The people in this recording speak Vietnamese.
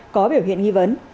có biểu hiện nghi vấn